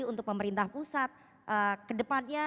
untuk pemerintah pusat kedepannya